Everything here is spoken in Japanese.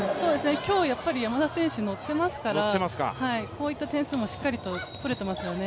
今日、山田選手ノッてますから、こういった点数、しっかりと取れていますよね。